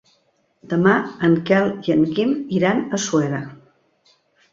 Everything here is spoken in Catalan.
Demà en Quel i en Guim iran a Suera.